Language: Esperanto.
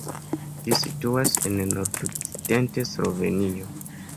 Ĝi situas en nord-okcidenta Slovenio.